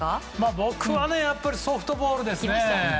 僕はやっぱりソフトボールですね。